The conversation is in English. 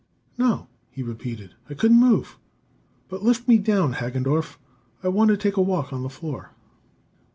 "No," he repeated. "I couldn't move. But lift me down, Hagendorff. I want to take a walk on the floor."